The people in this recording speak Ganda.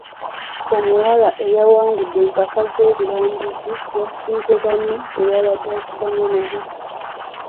Omuwala eyawangudde empaka z'obulambuzi yasinze banne be yabadde avuganya nabo.